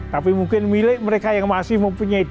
tapi mungkin milik mereka yang masih mempunyai